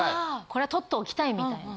これはとっておきたい！みたいな。